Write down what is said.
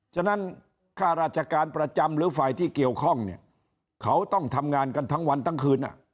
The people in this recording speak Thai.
ฉะนั้นค่าราชการประจำหรือฝ่ายที่เกี่ยวข้องเนี่ยเขาต้องทำงานกันทั้งวันทั้งคืน